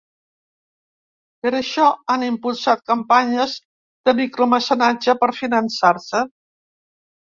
Per això han impulsat campanyes de micromecenatge per a fiançar-se.